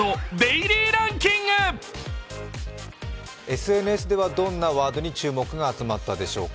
ＳＮＳではどんなワードに注目が集まったでしょうか。